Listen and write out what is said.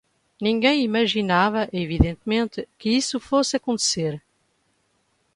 Ninguém imaginava, evidentemente, que isso fosse acontecer